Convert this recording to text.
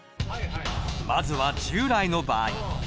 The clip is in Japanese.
まずは従来の場合。